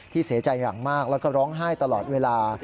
เสียใจอย่างมากแล้วก็ร้องไห้ตลอดเวลา